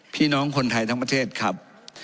พี่น้องคนไทยทั้งประเทศครับ